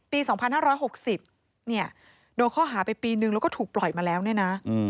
ปี๒๕๖๐เนี่ยโดนข้อหาไปปีนึงแล้วก็ถูกปล่อยมาแล้วเนี่ยนะ